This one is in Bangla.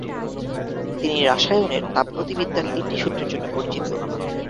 তিনি রাসায়নের তাপগতিবিদ্যার তিনটি সূত্রের জন্য পরিচিত।